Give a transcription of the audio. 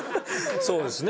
そうですね。